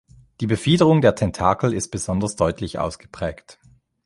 Die Befiederung der Tentakel ist besonderes deutlich ausgeprägt.